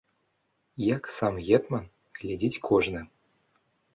Як сам гетман, глядзіць кожны!